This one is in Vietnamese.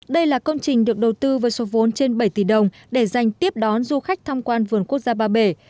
đây là công trình được đầu tư với số vốn trên bảy tỷ đồng để dành tiếp đón du khách tham quan vườn quốc gia ba bể